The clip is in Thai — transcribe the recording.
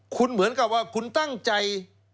คุณเหมือนกับว่าคุณตั้งใจ